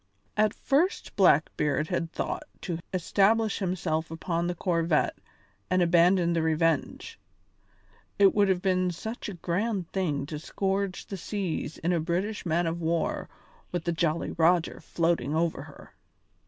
At first Blackbeard had thought to establish himself upon the corvette and abandon the Revenge. It would have been such a grand thing to scourge the seas in a British man of war with the Jolly Roger floating over her.